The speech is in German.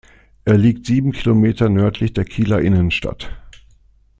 Er liegt sieben Kilometer nördlich der Kieler Innenstadt.